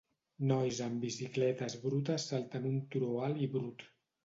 Nois en bicicletes brutes salten un turó alt i brut